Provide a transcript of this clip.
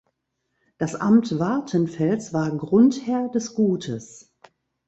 Das Amt Wartenfels war Grundherr des Gutes.